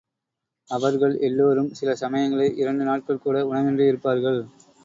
அவர்கள் எல்லோரும் சில சமயங்களில், இரண்டு நாட்கள் கூட உணவின்றி இருப்பார்கள்.